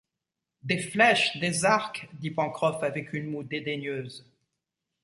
Des flèches, des arcs ! dit Pencroff avec une moue dédaigneuse